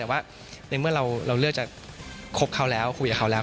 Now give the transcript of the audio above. แต่ว่าในเมื่อเราเลือกจะคบเขาแล้วคุยกับเขาแล้ว